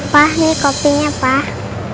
pak ini kopinya pak